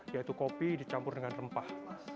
yaitu kopi dicampur dengan rempah